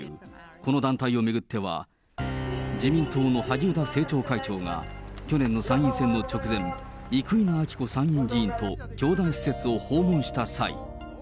この団体を巡っては、自民党の萩生田政調会長が、去年の参院選の直前、生稲晃子参院議員と教団施設を訪問した際。